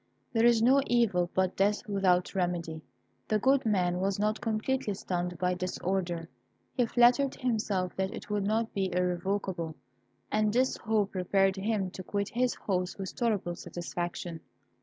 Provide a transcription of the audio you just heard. There is no evil but death without remedy. The good man was not completely stunned by this order. He flattered himself that it would not be irrevocable, and this hope prepared him to quit his host with tolerable satisfaction.